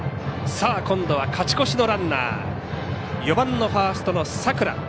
今度は勝ち越しのランナー４番のファーストの佐倉。